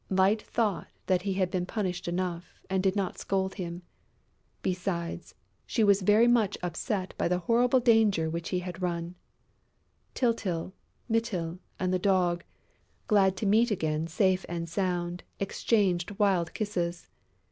Light thought that he had been punished enough and did not scold him. Besides, she was very much upset by the horrible danger which he had run. Tyltyl, Mytyl and the Dog, glad to meet again safe and sound, exchanged wild kisses.